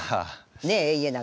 ねえ家長。